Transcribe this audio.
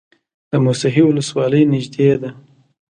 د موسهي ولسوالۍ نږدې ده